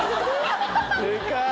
でかい！